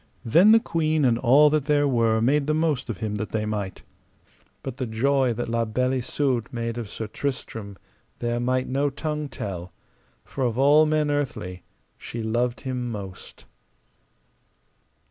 Then the queen and all that there were made the most of him that they might. But the joy that La Beale Isoud made of Sir Tristram there might no tongue tell, for of all men earthly she loved him most.